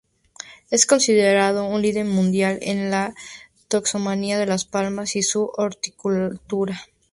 Es considerado un líder mundial en la taxonomía de las palmas y su horticultura